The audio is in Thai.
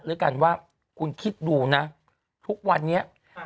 ด้วยกันว่าคุณคิดดูนะทุกวันนี้